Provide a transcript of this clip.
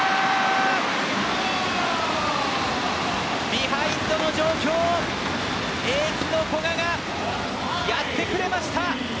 ビハインドの状況でエースの古賀がやってくれました！